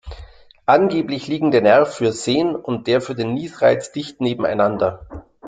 Angeblich liegen der Nerv fürs Sehen und der für den Niesreiz dicht nebeneinander.